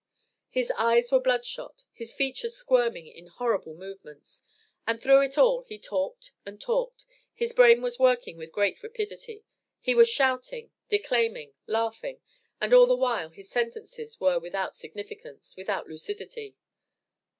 His eyes were bloodshot his features squirming in horrible movements; and through it all he talked and talked; his brain was working with great rapidity; he was shouting, declaiming, laughing, and all the while his sentences were without significance, without lucidity.